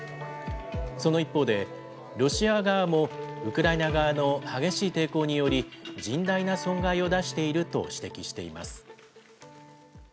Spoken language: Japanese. その一方で、ロシア側もウクライナ側の激しい抵抗により、甚大な損害を出していると指摘しています。